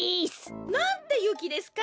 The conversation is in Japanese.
なんていうきですか？